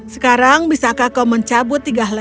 sekarang bisakah kau mencabut tiga hal